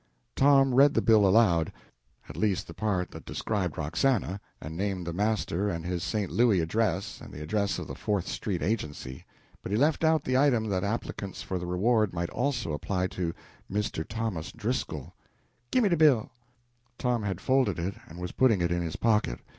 Tom read the bill aloud at least the part that described Roxana and named the master and his St. Louis address and the address of the Fourth street agency; but he left out the item that applicants for the reward might also apply to Mr. Thomas Driscoll. "Gimme de bill!" Tom had folded it and was putting it in his pocket.